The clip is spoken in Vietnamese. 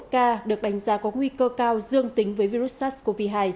sáu mươi một ca được đánh giá có nguy cơ cao dương tính với virus sars cov hai